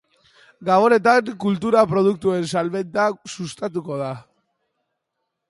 Gabonetan kultura produktuen salmenta sustatuko da.